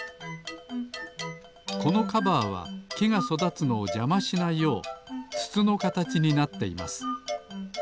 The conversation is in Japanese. このカバーはきがそだつのをじゃましないようつつのかたちになっています。